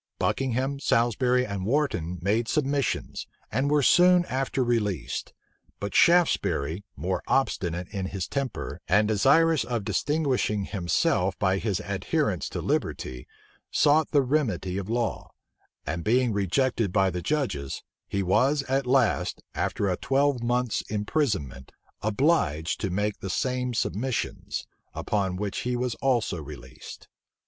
Buckingham, Salisbury, and Wharton made submissions, and were soon after released. But Shaftesbury, more obstinate in his temper, and desirous of distinguishing himself by his adherence to liberty, sought the remedy of law; and being rejected by the judges, he was at last, after a twelvemonth's imprisonment, obliged to make the same submissions; upon which he was also released.